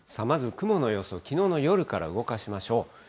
まず雲の様子を、きのうの夜から動かしましょう。